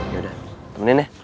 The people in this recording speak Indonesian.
ya udah temenin ya